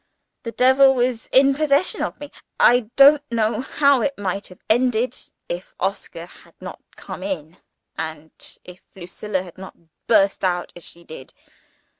The devil was in possession of me. I don't know how it might have ended, if Oscar had not come in, and if Lucilla had not burst out as she did.